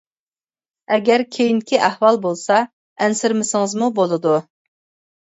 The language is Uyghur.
ئەگەر كېيىنكى ئەھۋال بولسا ئەنسىرىمىسىڭىزمۇ بولىدۇ.